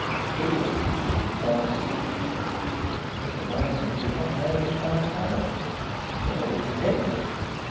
Two were abusive, one facetious. Mr Myson did not know his Five Towns; nor did Denry.